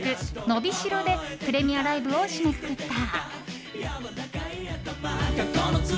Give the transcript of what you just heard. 「のびしろ」でプレミアライブを締めくくった。